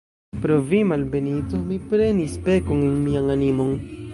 Pro vi, malbenito, mi prenis pekon en mian animon!